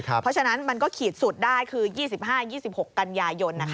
เพราะฉะนั้นมันก็ขีดสุดได้คือ๒๕๒๖กันยายน